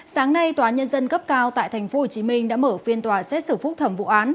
sáng nay tòa nhân dân cấp cao tại tp hcm đã mở phiên tòa xét xử phúc thẩm vụ án